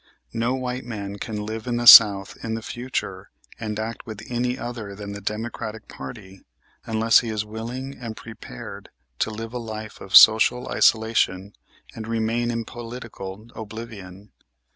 No white man can live in the South in the future and act with any other than the Democratic party unless he is willing and prepared to live a life of social isolation and remain in political oblivion.